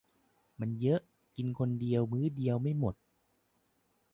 มันเยอะกินคนเดียวมื้อเดียวไม่หมด